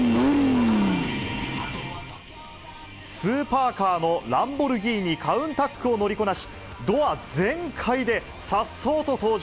スーパーカーのランボルギーニ・カウンタックを乗りこなし、ドア全開でさっそうと登場。